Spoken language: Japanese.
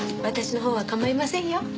私のほうは構いませんよ。